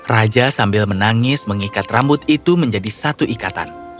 raja sambil menangis mengikat rambut itu menjadi satu ikatan